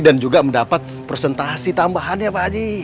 dan juga mendapat presentasi tambahannya pak aji